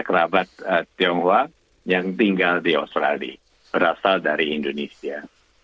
kerabat tionghoa yang tinggal di australia berasal dari indonesia